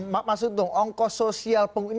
mas udung ongkos sosial pengusuran